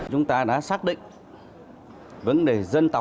chúng ta đã xác định vấn đề dân tộc là vấn đề chiến lược